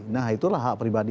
nah itulah hak pribadi